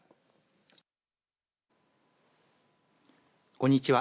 こんにちは。